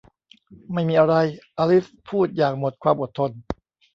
ไม่มีอะไร อลิซพูดอย่างหมดความอดทน